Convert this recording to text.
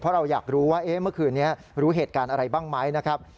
เพราะเราอยากรู้ว่าเมื่อคืนนี้รู้เหตุการณ์อะไรบ้างไหมนะครับ